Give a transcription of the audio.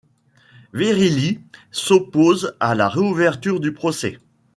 Verrilli s'oppose à la réouverture du procès.